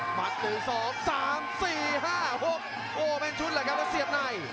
หมัดตัว๒๓๔๕๖โอ้แม่งชุดแล้วครับแล้วเสียบใน